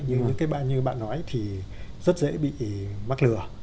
như bạn nói thì rất dễ bị mắc lừa